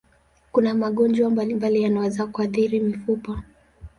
Kuna magonjwa mbalimbali yanayoweza kuathiri mifupa.